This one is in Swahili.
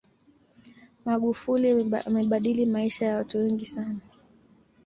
magufuli amebadili maisha ya watu wengi sana